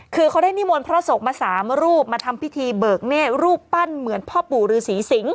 คือเขาได้นิมนต์พระสงฆ์มา๓รูปมาทำพิธีเบิกเนธรูปปั้นเหมือนพ่อปู่ฤษีสิง